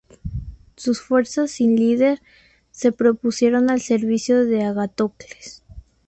Sus fuerzas, sin líder, se pusieron al servicio de Agatocles.